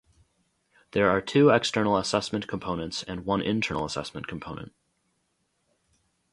There are two external assessment components and one internal assessment component.